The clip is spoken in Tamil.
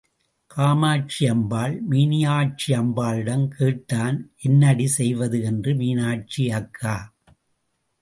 காமாட்சியம்மாள், மீனாட்சியம்மாளிடம் கேட்டான், என்னடி செய்வது என்று, மீனாட்சி அக்கா!